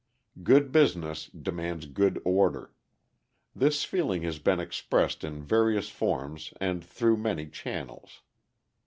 Good business demands good order. This feeling has been expressed in various forms and through many channels.